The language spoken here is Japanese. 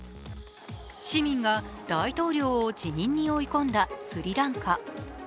市民が大統領を辞任に追い込んだスリランカ。